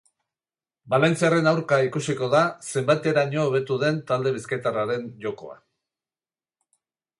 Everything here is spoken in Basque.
Valentziarren aurka ikusiko da zenbateraino hobetu den talde bizkaitarraren jokoa.